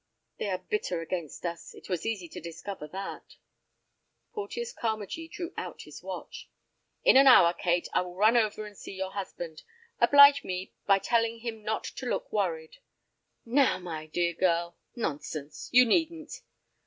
"They are bitter against us. It was easy to discover that." Porteus Carmagee drew out his watch. "In an hour, Kate, I will run over and see your husband. Oblige me by telling him not to look worried. Now, my dear girl, nonsense, you needn't."